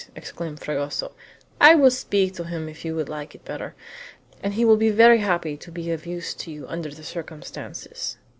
exclaimed Fragoso; "I will speak to him if you would like it better, and he will be very happy to be of use to you under the circumstances."